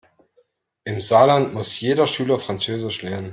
Im Saarland muss jeder Schüler französisch lernen.